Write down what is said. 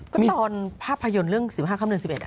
ก็ตอนภาพยนตร์เรื่อง๑๕ค๑๑